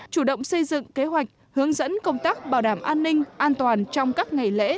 chủ động xây dựng kế hoạch hướng dẫn công tác bảo đảm an ninh an toàn trong các ngày lễ